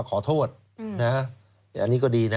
ขอโทษนะอันนี้ก็ดีนะ